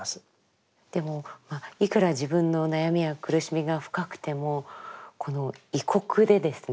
でもいくら自分の悩みや苦しみが深くてもこの異国でですね